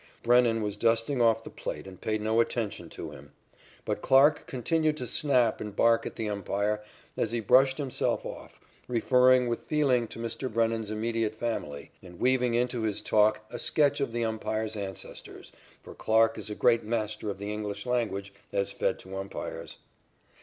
Brennan was dusting off the plate and paid no attention to him. But Clarke continued to snap and bark at the umpire as he brushed himself off, referring with feeling to Mr. Brennan's immediate family, and weaving into his talk a sketch of the umpire's ancestors, for Clarke is a great master of the English language as fed to umpires.